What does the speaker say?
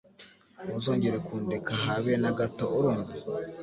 Ntuzongere kundeka habe nagato urumva.